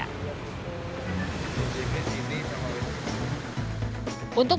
pembelian daya listrik kendaraan anda